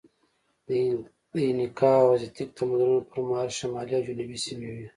د اینکا او ازتک تمدنونو پر مهال شمالي او جنوبي سیمې وې.